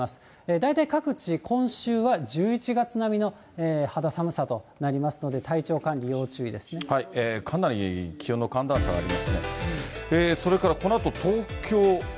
大体各地、今週は１１月並みの肌寒さとなりますので、かなり気温の寒暖差がありま